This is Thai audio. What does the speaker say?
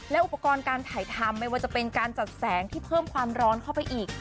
และอุปกรณ์การถ่ายทำไม่ว่าจะเป็นการจัดแสงที่เพิ่มความร้อนเข้าไปอีก